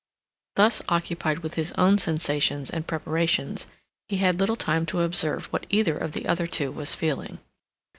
Thus occupied with his own sensations and preparations, he had little time to observe what either of the other two was feeling.